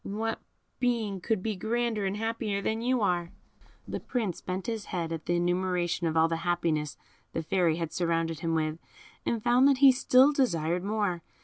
What being could be grander and happier than you are?" The Prince bent his head at the enumeration of all the happiness the Fairy had surrounded him with, and found that he still desired more.